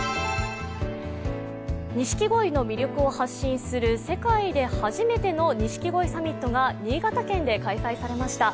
錦鯉の魅力を発信する世界で初めての錦鯉サミットが新潟県で開催されました。